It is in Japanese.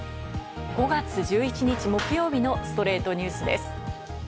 ５月１１日、木曜日の『ストレイトニュース』です。